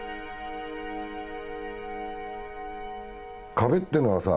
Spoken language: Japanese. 壁ってのはさ